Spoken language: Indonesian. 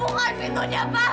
bunga pintunya pak